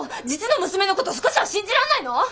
実の娘のこと少しは信じらんないの？